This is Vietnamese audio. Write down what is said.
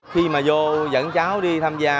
khi mà vô dẫn cháu đi tham gia